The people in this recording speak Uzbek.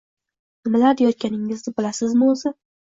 Nimalar deyotganingizni bilasizmi o`zi